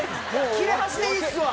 切れ端でいいっすわ！